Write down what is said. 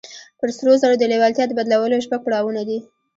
پر سرو زرو د لېوالتیا د بدلولو شپږ پړاوونه دي.